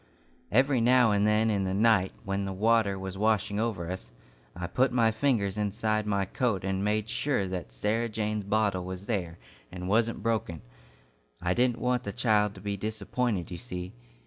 "Every now and then in the night, when the water was washing over us, I put my fingers inside my coat and made sure that Sarah Jane's bottle was there, and wasn't broken. I didn't want the child to be disappointed, you see.